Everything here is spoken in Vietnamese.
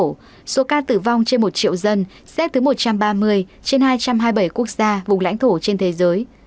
trong số ca tử vong trên một triệu dân xếp thứ một trăm ba mươi trên hai trăm hai mươi bảy quốc gia vùng lãnh thổ trên thế giới